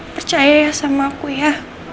percaya ya sama aku ya